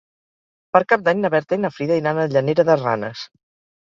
Per Cap d'Any na Berta i na Frida iran a Llanera de Ranes.